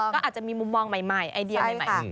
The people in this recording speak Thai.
ก็อาจจะมีมุมมองใหม่ไอเดียใหม่